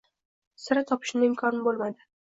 Sira topishni imkoni boʻlmadi.